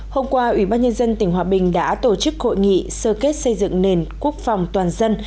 hôm qua ủy ban nhân dân tỉnh hòa bình đã tổ chức hội nghị sơ kết xây dựng nền quốc phòng toàn dân